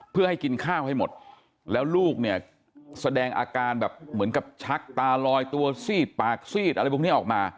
เพื่อให้กินข้าวให้หมดแล้วลูกเนี่ยแสดงอาการแบบเหมือนกับชักตาลอยตัวซีดปากซีดอะไรพวกนี้ออกมา